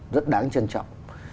rất đáng trân trọng